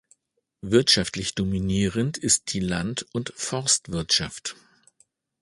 Wirtschaftlich dominierend ist die Land- und Forstwirtschaft.